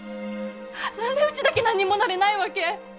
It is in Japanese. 何でうちだけ何にもなれないわけ？